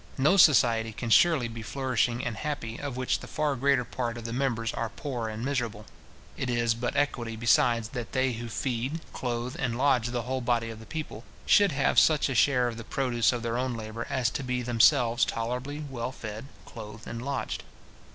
No society can surely be flourishing and happy, of which the far greater part of the members are poor and miserable. It is but equity, besides, that they who feed, clothe, and lodge the whole body of the people, should have such a share of the produce of their own labour as to be themselves tolerably well fed, clothed, and lodged.